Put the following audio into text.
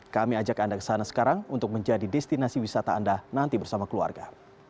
kami ajak anda ke sana sekarang untuk menjadi destinasi wisata anda nanti bersama keluarga